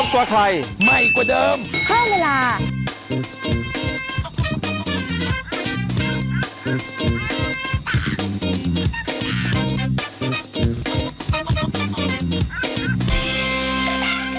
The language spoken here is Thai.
โปรดติดตามตอนต่อไป